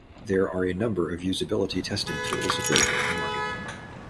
There are a number of usability testing tools available in the market.